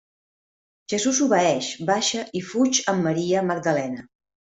Jesús obeeix, baixa i fuig amb Maria Magdalena.